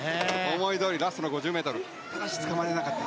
思いどおり、ラストの５０ｍただしつかまえられなかった。